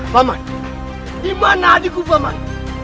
paman dimana adikku paman